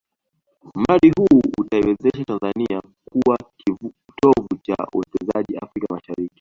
Mradi huu utaiwezesha Tanzania kuwa kitovu cha uwekezaji Afrika Mashariki